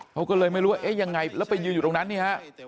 เขาก็เลยไม่รู้ว่าเอ๊ะยังไงแล้วไปยืนอยู่ตรงนั้นนี่ฮะ